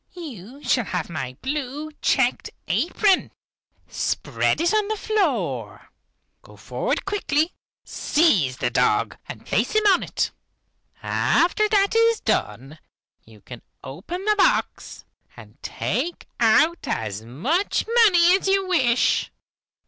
You shall have my blue checked apron. Spread it on the floor. Go forward quickly, seize the dog and place him on it. After that is done, you can open the box, and take out as much money as you wish.